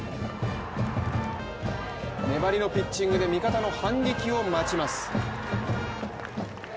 粘りのピッチングで味方の反撃を待ちます。